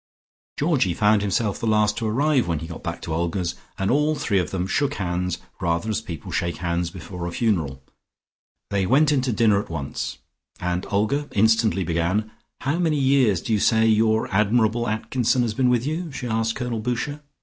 Georgie found himself the last to arrive, when he got back to Olga's and all three of them shook hands rather as people shake hands before a funeral. They went into dinner at once and Olga instantly began, "How many years did you say your admirable Atkinson had been with you?" she asked Colonel Boucher.